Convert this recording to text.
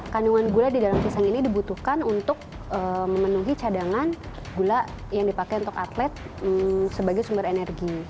kandungan gula di dalam pisang ini dibutuhkan untuk memenuhi cadangan gula yang dipakai untuk atlet sebagai sumber energi